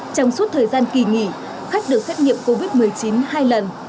trong suốt thời gian kỳ nghỉ khách được xét nghiệm covid một mươi chín hai lần